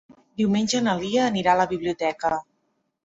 Diumenge na Lia anirà a la biblioteca.